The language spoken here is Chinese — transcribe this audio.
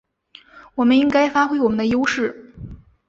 我们应该发挥我们的优势